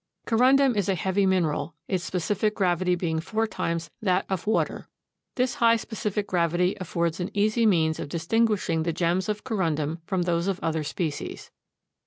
Corundum is a heavy mineral, its specific gravity being four times that of water. This high specific gravity affords an easy means of distinguishing the gems of Corundum from those of other species.